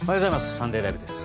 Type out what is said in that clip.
「サンデーＬＩＶＥ！！」です。